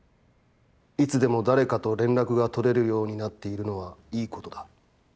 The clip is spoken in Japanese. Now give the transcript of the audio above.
いつでも誰かと連絡が取れるようになっているのはいいことだ。